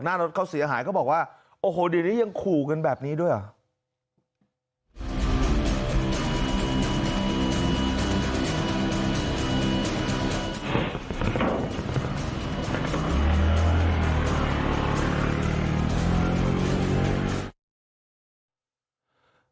หน้ารถเขาเสียหายเขาบอกว่าโอ้โหเดี๋ยวนี้ยังขู่กันแบบนี้ด้วยเหรอ